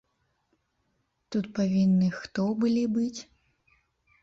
Тут павінны хто былі быць?